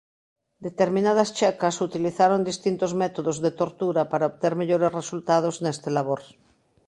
Determinadas checas utilizaron distintos métodos de tortura para obter mellores resultados neste labor.